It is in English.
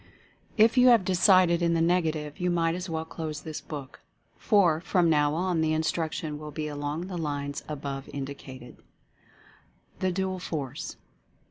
If you have decided Establishing a Mentative Centre 177 in the negative you might as well close this book, for from now on the instruction will be along the lines above indicated. THE DUAL FORCE.